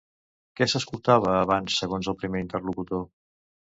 Què s'escoltava abans segons el primer interlocutor?